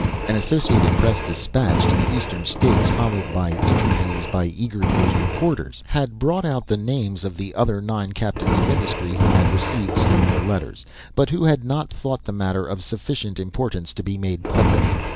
An Associated Press despatch to the Eastern states, followed by interviews by eager nosed reporters, had brought out the names of the other nine captains of industry who had received similar letters, but who had not thought the matter of sufficient importance to be made public.